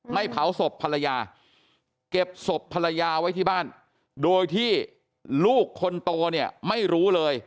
เผาศพภรรยาเก็บศพภรรยาไว้ที่บ้านโดยที่ลูกคนโตเนี่ยไม่รู้เลย